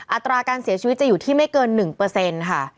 อัตราการเสียชีวิตจะอยู่ที่ไม่เกินหนึ่งเปอร์เซ็นต์ค่ะ